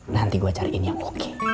nanti gue cariin yang oke